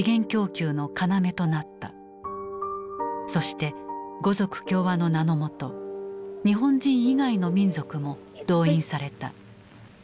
そして五族協和の名のもと日本人以外の民族も動員された。